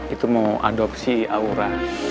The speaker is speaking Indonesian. itu mau adopsi aura